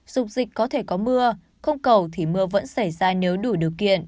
dục dịch có thể có mưa không cầu thì mưa vẫn xảy ra nếu đủ điều kiện